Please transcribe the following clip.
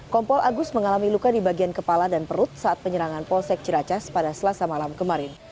kompol agus mengalami luka di bagian kepala dan perut saat penyerangan polsek ciracas pada selasa malam kemarin